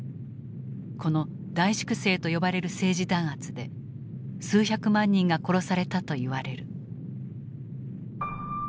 この「大粛清」と呼ばれる政治弾圧で数百万人が殺されたと言われる。